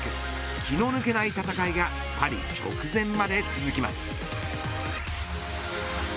気の抜けない戦いがパリ直前まで続きます。